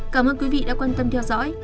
cảm ơn quý vị đã quan tâm theo dõi